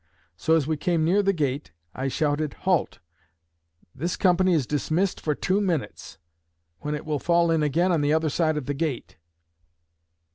So, as we came near the gate, I shouted, 'Halt! this company is dismissed for two minutes, when it will fall in again on the other side of the gate.'"